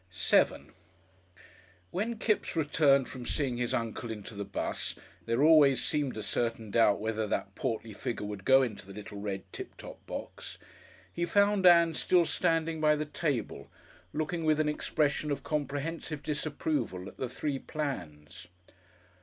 §7 When Kipps returned from seeing his uncle into the 'bus there always seemed a certain doubt whether that portly figure would go into the little red "Tip Top" box he found Ann still standing by the table, looking with an expression of comprehensive disapproval at the three plans.